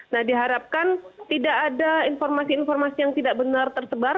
nah diharapkan tidak ada informasi informasi yang tidak benar tersebar